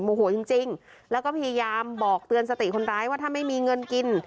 โหจริงแล้วก็พยายามบอกเตือนสติคนร้ายว่าถ้าไม่มีเงินกิน